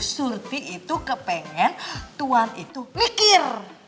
surti itu kepengen tuhan itu mikir